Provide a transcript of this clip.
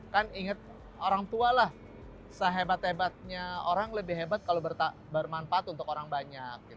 kan inget orang tua lah sehebat hebatnya orang lebih hebat kalau bermanfaat untuk orang banyak